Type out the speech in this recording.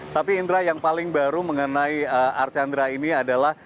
tapi indra yang paling baru mengenai archandra ini adalah